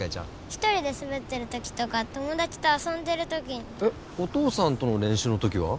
一人で滑ってる時とか友達と遊んでる時にえっお父さんとの練習の時は？